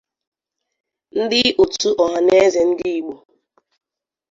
ndị òtù Ọhaneze Ndị Igbo